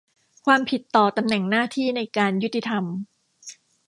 ความผิดต่อตำแหน่งหน้าที่ในการยุติธรรม